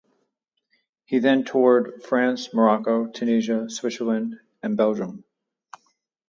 He then toured France, Morocco, Tunisia, Switzerland, and Belgium.